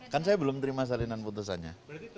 kan saya belum terima salinan putusannya